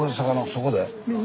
そこで？